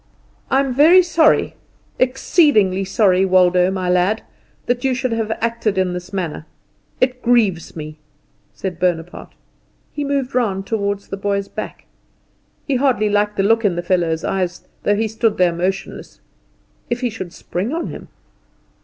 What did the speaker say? "I'm very sorry, exceedingly sorry, Waldo, my lad, that you should have acted in this manner. It grieves me," said Bonaparte. He moved round toward the boy's back. He hardly liked the look in the fellow's eyes, though he stood there motionless. If he should spring on him!